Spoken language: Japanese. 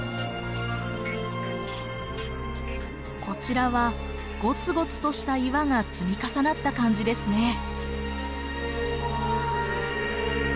こちらはゴツゴツとした岩が積み重なった感じですね。